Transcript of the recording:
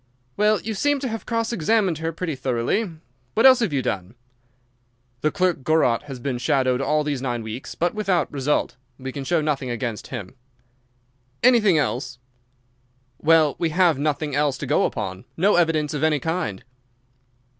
"Well, you seem to have cross examined her pretty thoroughly. What else have you done?" "The clerk Gorot has been shadowed all these nine weeks, but without result. We can show nothing against him." "Anything else?" "Well, we have nothing else to go upon—no evidence of any kind."